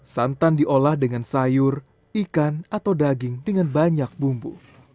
santan diolah dengan sayur ikan atau daging dengan banyak bumbu